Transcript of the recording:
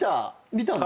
見たの？